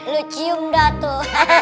lo cium dah tuh